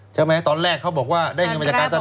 ใช่ไหมตอนแรกเขาบอกว่าได้เงินมาจากการทราบ